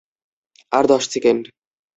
আর দশ সেকেন্ড।